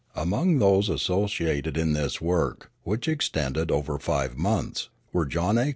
Among those associated in this work, which extended over five months, were John A.